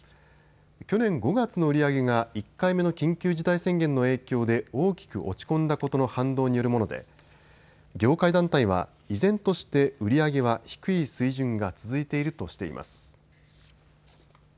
去年５月の売り上げが１回目の緊急事態宣言の影響で大きく落ち込んだことの反動によるもので業界団体は依然として売り上げは低い水準が続いているとしています。